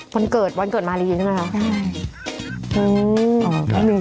วันเกิดวันเกิดมารีจริงใช่ไหม